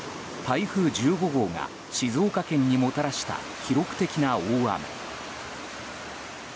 台風１５号が静岡県にもたらした記録的な大雨。